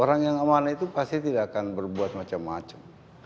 orang yang aman itu pasti tidak akan berbuat macam macam